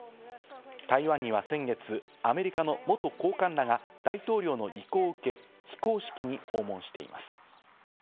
台湾には先月、アメリカの元高官らが大統領の意向を受け、非公式に訪問しています。